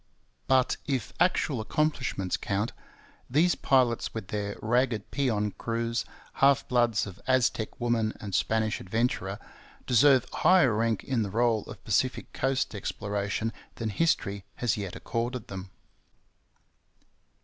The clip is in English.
But if actual accomplishments count, these pilots with their ragged peon crews, half bloods of Aztec woman and Spanish adventurer, deserve higher rank in the roll of Pacific coast exploration than history has yet accorded them.